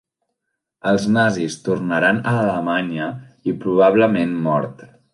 Els Nazis tornaran a Alemanya i probablement mort.